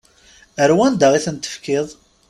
Ar wanda i ten-tefkiḍ?